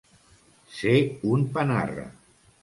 Ser un panarra.